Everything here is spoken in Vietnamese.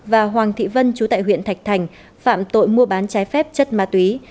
và hoàng thị vân chú tại huyện thạch thành phạm tội mua bán trái phép chất ma túy